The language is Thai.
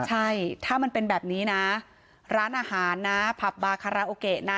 ใช่ถ้ามันเป็นแบบนี้นะร้านอาหารนะผับบาคาราโอเกะนะ